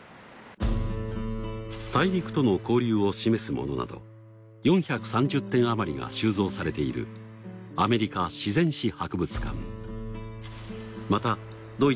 大陸との交流を示すものなど４３０点あまりが収蔵されているアメリカ自然史博物館。